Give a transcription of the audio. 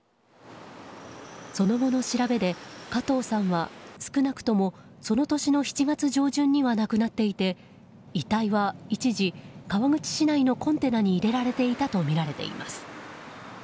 その後の調べで、加藤さんは少なくともその年の７月上旬には亡くなっていて遺体は、一時川口市内のコンテナに入れられていたとみられています。